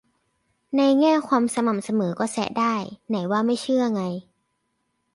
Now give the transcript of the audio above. ในแง่ความสม่ำเสมอก็แซะได้ ไหนว่าไม่เชื่อไง